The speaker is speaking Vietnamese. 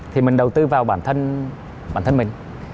thì mình đầu tư vào bản thân bản thân mình